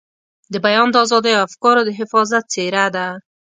د بیان د ازادۍ او افکارو د حفاظت څېره ده.